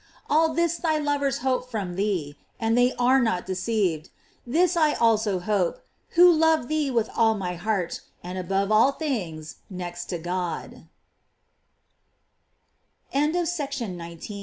All this thy lovers hope from thee, and they are not deceived. This I also hope, who love thee with all my heart, and above all things next to God, 276 G